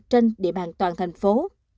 trên địa bàn toàn thành phố